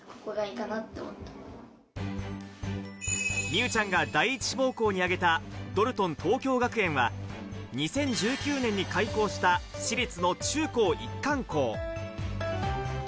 美羽ちゃんが第１志望校に挙げたドルトン東京学園は、２０１９年に開校した、私立の中高一貫校。